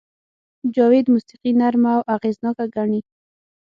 جاوید موسیقي نرمه او اغېزناکه ګڼي